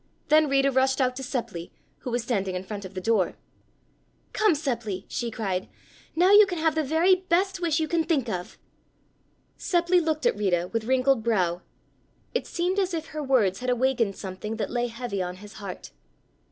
Then Rita rushed out to Seppli, who was standing in front of the door. "Come, Seppli," she cried, "now you can have the very best wish you can think of!" Seppli looked at Rita with wrinkled brow. It seemed as if her words had awakened something that lay heavy on his heart.